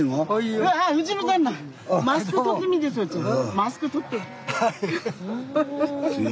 マスク取ってみて。